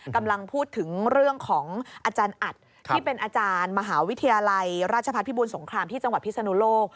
กำลังพูดถึงเรื่องของอาจารย์อัดที่เป็นอาจารย์มหาวิทยาลัยราชพัฒนภิบูรสงครามที่จังหวัดพิศนุโลก